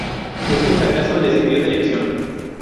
Este fracaso le sirvió de lección.